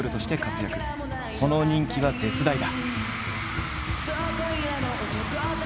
その人気は絶大だ。